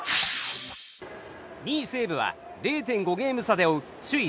２位、西武は０．５ゲーム差で追う首位